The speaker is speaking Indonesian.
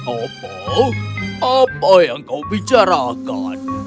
apa apa yang kau bicarakan